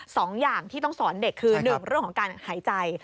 สองอย่างที่ต้องสอนเด็กคือหนึ่งเรื่องของการหายใจ